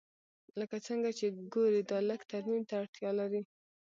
لکه څنګه چې ګورې دا لږ ترمیم ته اړتیا لري